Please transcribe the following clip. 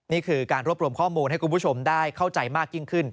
นี่คือการรวบรวมข้อมูลให้คุณผู้ชมได้เข้าใจมากยิ่งขึ้น